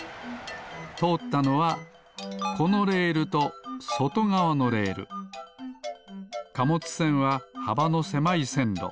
とおったのはこのレールとそとがわのレール。かもつせんははばのせまいせんろ。